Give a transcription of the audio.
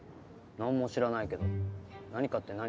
何も知らないけど何かって何？